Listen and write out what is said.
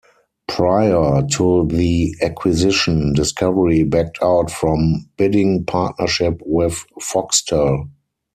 Prior to the acquisition, Discovery backed out from bidding partnership with Foxtel.